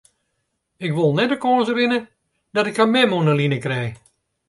Ik wol net de kâns rinne dat ik har mem oan 'e line krij.